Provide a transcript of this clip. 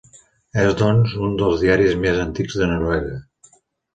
És doncs un dels diaris més antics de Noruega.